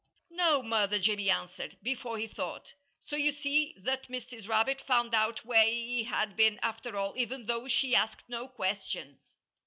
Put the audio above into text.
"No, Mother!" Jimmy answered, before he thought. So you see that Mrs. Rabbit found out where he had been, after all, even though she asked no questions.